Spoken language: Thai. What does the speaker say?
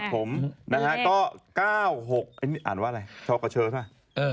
ก็๙๖อ่านว่าอะไรชอคเกอร์ใช่ไหม